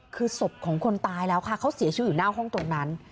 คือศพของคนตายแล้วค่ะเขาเสียชีวิตอยู่หน้าห้องตรงนั้น